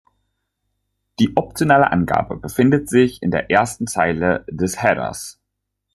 Die optionale Angabe befindet sich in der ersten Zeile des Headers.